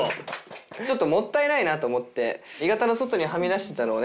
ちょっともったいないなと思って鋳型の外にはみ出してたのをね